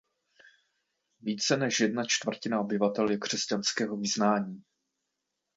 Více než jedna čtvrtina obyvatel je křesťanského vyznání.